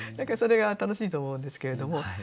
それが楽しいと思うんですけれども。